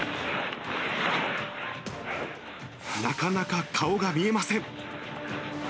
なかなか顔が見えません。